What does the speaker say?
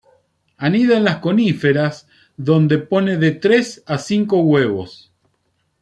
Anida en las coníferas, donde pone de tres a cinco huevos.